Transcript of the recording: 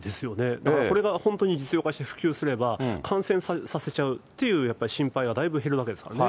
だからこれが本当に実用化して普及すれば、感染させちゃうっていうやっぱり心配はだいぶ減るわけですからね。